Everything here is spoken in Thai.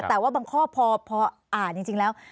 แต่ว่าบางข้อพออ่านจริงแล้ว